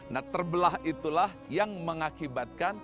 nah terbelah itulah yang mengakibatkan